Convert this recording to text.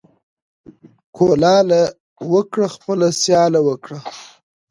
ـ کولاله وکړه خپله سياله وکړه.